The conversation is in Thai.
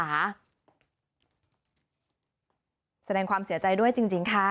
แสดงความเสียใจด้วยจริงค่ะ